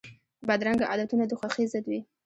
بدرنګه عادتونه د خوښۍ ضد وي